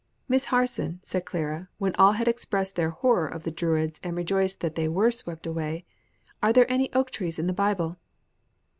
"Miss Harson," said Clara when all had expressed their horror of the Druids and rejoiced that they were swept away, "are there any oak trees in the Bible?"